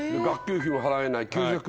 給食費も払えない。